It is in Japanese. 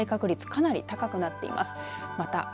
かなり高くなっています。